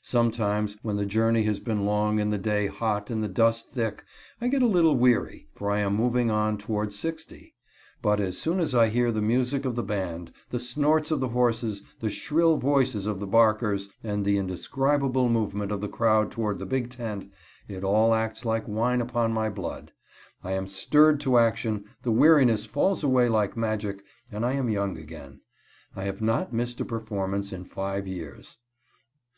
Sometimes when the journey has been long and the day hot and the dust thick, I get a little weary, for I am moving on towards sixty. But as soon as I hear the music of the band, the snorts of the horses, the shrill voices of the "barkers," and the indescribable movement of the crowd toward the big tent, it all acts like wine upon my blood. I am stirred to action, the weariness falls away like magic, and I am young again. I have not missed a performance in five years.